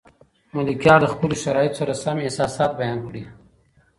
ملکیار د خپلو شرایطو سره سم احساسات بیان کړي.